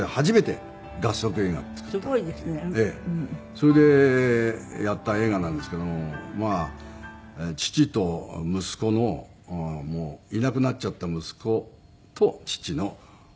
それでやった映画なんですけどもまあ父と息子のいなくなっちゃった息子と父の話なんですけども。